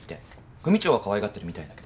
組長はかわいがってるみたいだけど。